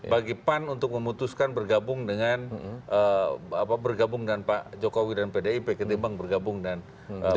bagi pan untuk memutuskan bergabung dengan pak jokowi dan pdip ketimbang bergabung dengan pks gelindra